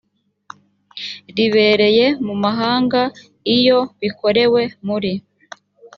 ribereye mu mahanga iyo bikorewe muri